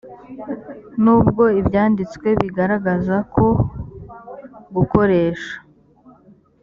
n ubwo ibyanditswe bigaragaza ko gukoresha